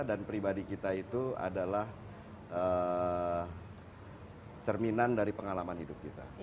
dan pribadi kita itu adalah cerminan dari pengalaman hidup kita